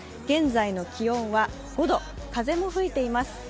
現在の気温は５度、風も吹いています。